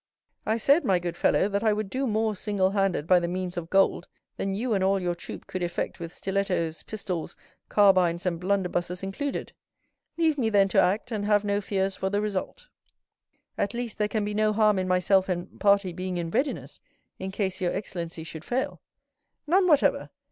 "I said, my good fellow, that I would do more single handed by the means of gold than you and all your troop could effect with stilettos, pistols, carbines, and blunderbusses included. Leave me, then, to act, and have no fears for the result." "At least, there can be no harm in myself and party being in readiness, in case your excellency should fail." "None whatever.